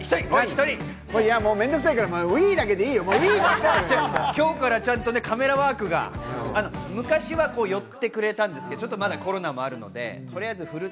面倒くさいから、ＷＥだけで今日からちゃんとカメラワークが昔は寄ってくれたんですけど、まだコロナもあるので、とりあえず振る。